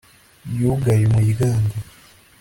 Yugaye umuryango